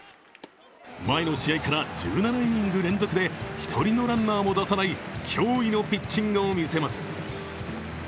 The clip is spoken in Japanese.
前の試合から１７イニング連続で１人のランナーも出さない驚異のピッチングを見せます。